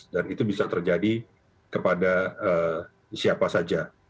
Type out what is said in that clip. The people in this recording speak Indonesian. dan itu bisa terjadi kepada siapa saja